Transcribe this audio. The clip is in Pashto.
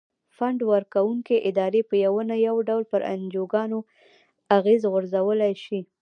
فنډ ورکوونکې ادارې په یو نه یو ډول پر انجوګانو اغیز غورځولای شي.